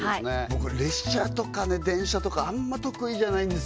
もうこれ列車とかね電車とかあんま得意じゃないんですよ